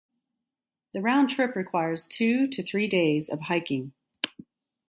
The round trip requires two to three days of hiking.